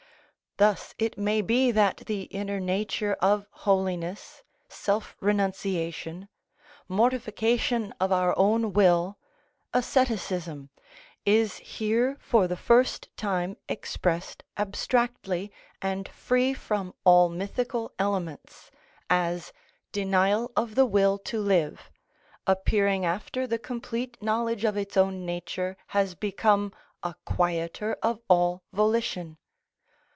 Thus it may be that the inner nature of holiness, self renunciation, mortification of our own will, asceticism, is here for the first time expressed abstractly, and free from all mythical elements, as denial of the will to live, appearing after the complete knowledge of its own nature has become a quieter of all volition.